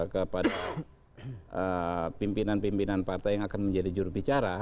kepada pimpinan pimpinan partai yang akan menjadi jurubicara